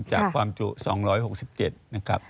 จากความจุ๒๖๗นะครับ